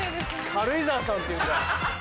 軽井沢さんっていうんだ。